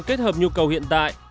kết hợp nhu cầu hiện tại